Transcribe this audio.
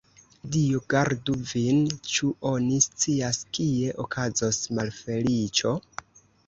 Dio gardu vin, ĉu oni scias, kie okazos malfeliĉo?